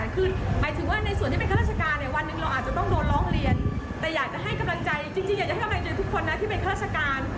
คือบางคนอาจจะโดนน้อยบางคนที่เราฟ้องเขา